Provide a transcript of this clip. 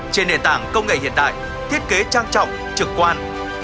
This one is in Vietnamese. trên nền tảng công nghệ hiện đại thiết kế trang trọng trực quan